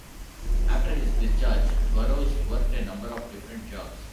After his discharge, Burroughs worked a number of different jobs.